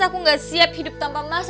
aku gak siap hidup tanpa emas